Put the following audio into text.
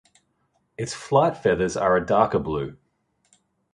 Its flight feathers are a darker blue.